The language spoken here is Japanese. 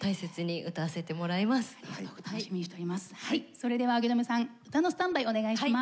それでは荻野目さん歌のスタンバイお願いします。